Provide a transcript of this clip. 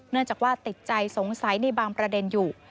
เนื่องจากว่าติดใจสงสัยในบางประเด็นอยู่